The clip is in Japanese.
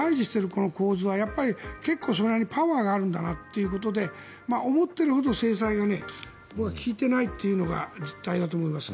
この構図はやっぱり結構、それなりにパワーがあるんだなということで思ってるほど制裁が効いてないというのが実態だと思います。